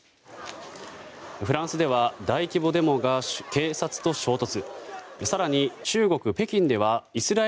フランスでは大規模デモが警察と衝突。